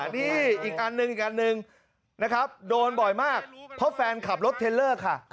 นี่อีกอันนึงโดนบ่อยมากเพราะแฟนขับรถเทรลเลอร์ค่ะ